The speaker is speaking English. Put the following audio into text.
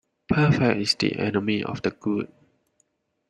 Perfect is the enemy of the good.